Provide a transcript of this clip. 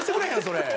それ。